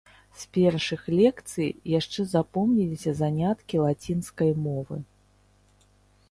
З першых лекцый яшчэ запомніліся заняткі лацінскай мовы.